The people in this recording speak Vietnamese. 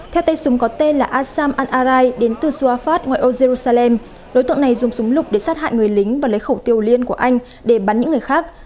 theo tay súng có tên là asam an arai đến từ suafat ngoài âu jerusalem đối tượng này dùng súng lục để sát hại người lính và lấy khẩu tiêu liên của anh để bắn những người khác